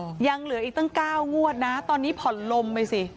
ยังเหลืออีกตั้งเก้างวดนะตอนนี้ผ่อนลมไปสิ